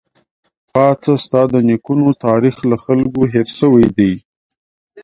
پاڅه ! ستا د نيکونو تاريخ له خلکو هېر شوی دی